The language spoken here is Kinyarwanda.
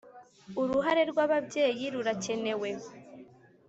Uruhare rw ‘ababyeyi rurakenewe.